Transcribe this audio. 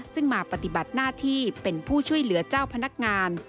ซึ่งมาปฏิบัติหน้าที่เป็นผู้ช่วยเหลือเจ้าพนักงาน